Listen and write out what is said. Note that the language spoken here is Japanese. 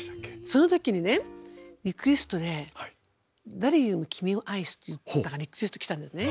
そのときにねリクエストで「誰よりも君を愛す」っていう歌がリクエスト来たんですね。